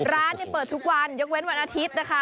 ร้านเปิดทุกวันยกเว้นวันอาทิตย์นะคะ